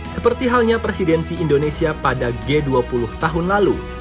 seperti halnya presidensi indonesia pada g dua puluh tahun lalu